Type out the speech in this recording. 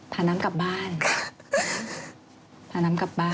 พาน้ำกลับบ้าน